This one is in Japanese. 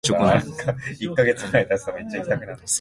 我々はその山脈で土着のガイドを雇った。